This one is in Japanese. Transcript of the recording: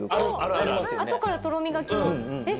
あとからとろみがきます。